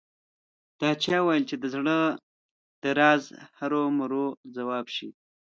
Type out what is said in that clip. دا چا ویل چې د زړه د راز هرو مرو ځواب شي